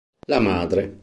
La madre